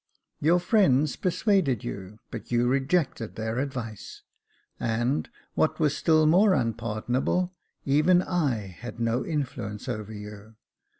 Your friends persuaded you, but you rejected their advice ; and, what was still more unpardonable, even I had no influence over you.